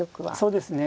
そうですね。